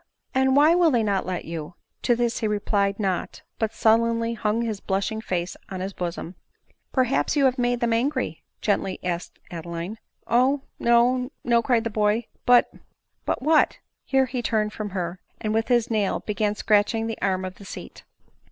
and why will they not let you ?" To this he replied not ; but sullenly hung his blushing face on his bosom. "Perhaps you have made them angry?" gently ask ed Adeline. " Oh \ no, no," cried the boy ;" but "" But what ?" Here he turned from her, and with his nail began scratching the arm of the seat.